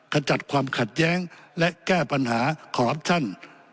ขจัดความขัดแย้งและแก้ปัญหาขออัปชั่น